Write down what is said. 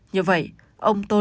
như vậy ông tô lâm